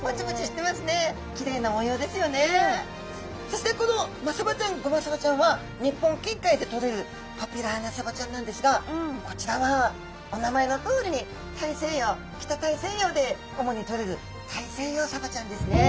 そしてこのマサバちゃんゴマサバちゃんは日本近海でとれるポピュラーなサバちゃんなんですがこちらはお名前のとおりに大西洋北大西洋で主にとれるタイセイヨウサバちゃんですね。